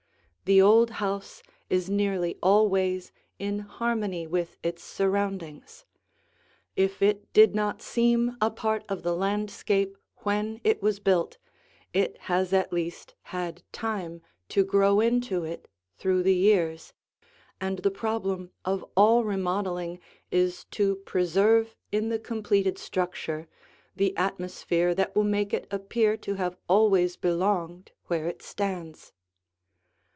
The old house is nearly always in harmony with its surroundings; if it did not seem a part of the landscape when it was built, it has at least had time to grow into it through the years, and the problem of all remodeling is to preserve in the completed structure the atmosphere that will make it appear to have always belonged where it stands.